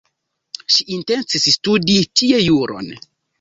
Ŝi intencis studi tie juron.